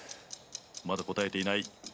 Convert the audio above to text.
まだ答えていない。